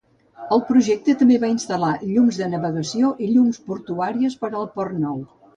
El projecte també va instal·lar llums de navegació i llums portuàries per al port nou.